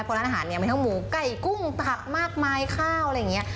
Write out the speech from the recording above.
เพราะร้านอาหารเนี่ยมีทั้งหมูไก่กุ้งผักมากมายข้าวอะไรอย่างนี้